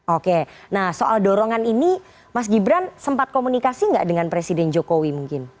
oke nah soal dorongan ini mas gibran sempat komunikasi nggak dengan presiden jokowi mungkin